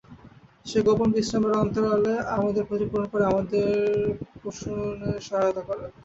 সে গোপন বিশ্রামের অন্তরালে আমাদের ক্ষতিপূরণ করে, আমাদের পোষণের সহায়তা করে।